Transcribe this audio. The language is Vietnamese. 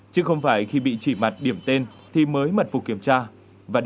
chứ không phải khi bị chỉ mặt điểm tên thì mới mật phục kiểm tra